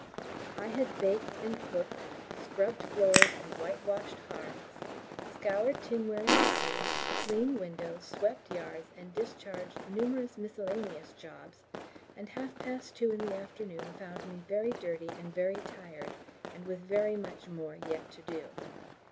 I had baked and cooked, scrubbed floors and whitewashed hearths, scoured tinware and cutlery, cleaned windows, swept yards, and discharged numerous miscellaneous jobs, and half past two in the afternoon found me very dirty and very tired, and with very much more yet to do.